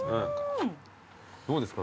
どうですか？